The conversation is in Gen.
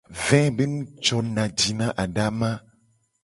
Ve be nu jona ji na adama.